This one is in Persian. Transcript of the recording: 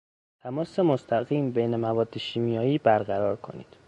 تماس مستقیم بین مواد شیمیایی برقرار کنید.